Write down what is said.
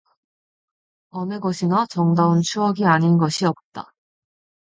어느 것이나 정다운 추억이 아닌 것이 없다.